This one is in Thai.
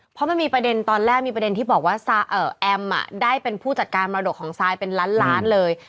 เพราะมันมีประเด็นตอนแรกมีประเด็นที่บอกว่าแอมได้เป็นผู้จัดการมรดกของซายเป็นล้านล้านเลย